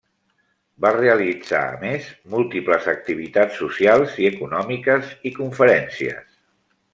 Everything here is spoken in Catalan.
Va realitzar a més, múltiples activitats socials i econòmiques i conferències.